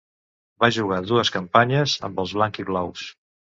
Va jugar dues campanyes amb els blanc-i-blaus.